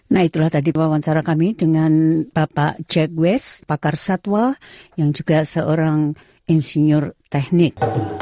nah itulah tadi wawancara kami dengan bapak jackwes pakar satwa yang juga seorang insinyur teknik